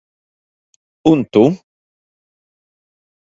Un tu?